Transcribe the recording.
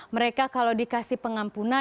mereka kalau dikasih pengampunan